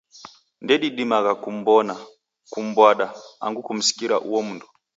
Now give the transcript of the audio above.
Ndedidimagha kum'mbona, kum'mbwada, angu kumsikira uo mndu.